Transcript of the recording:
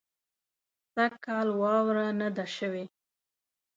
سږ کال واوره نۀ ده شوې